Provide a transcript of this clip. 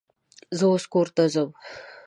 زه اوس کور ته ځم